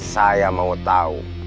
saya mau tahu